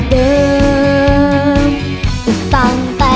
เรียกประกันแล้วยังคะ